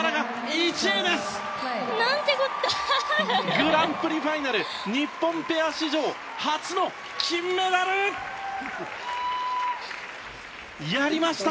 グランプリファイナル日本ペア史上初の金メダル！やりました！